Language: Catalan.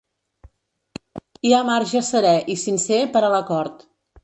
Hi ha marge serè i sincer per a l’acord.